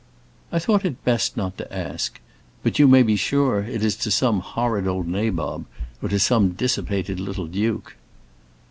"I thought it best not to ask; but you may be sure it is to some horrid old nabob, or to some dissipated little duke."